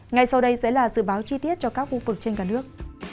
ngay sau đây sẽ là dự báo chi tiết cho các khu vực trên cả nước